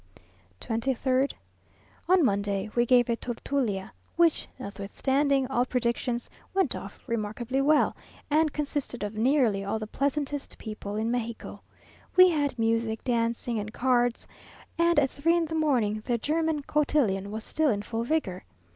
23rd. On Monday we gave a Tertulia, which, notwithstanding all predictions, went off remarkably well, and consisted of nearly all the pleasantest people in Mexico. We had music, dancing, and cards, and at three in the morning the German cotillon was still in full vigour.